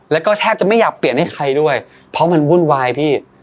แล้วก็แทบจะไม่อยากเปลี่ยนให้ใครด้วยเพราะมันวุ่นวายพี่